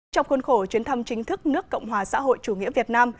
trong khuôn khổ chuyến thăm chính thức nước cộng hòa xã hội chủ nghĩa việt nam